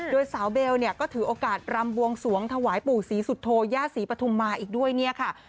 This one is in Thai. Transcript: โดยสาวเบลเนี่ยก็ถือโอกาสรำบวงสวงถวายปู่ศรีสุโธย่าศรีปฐุมมาอีกด้วยเนี่ยค่ะ